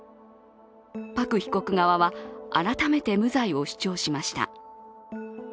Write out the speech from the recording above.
パク被告側は改めて無罪を主張しました。